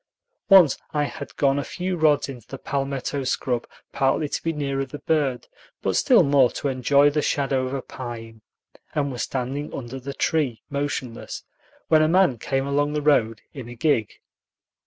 Once I had gone a few rods into the palmetto scrub, partly to be nearer the bird, but still more to enjoy the shadow of a pine, and was standing under the tree, motionless, when a man came along the road in a gig.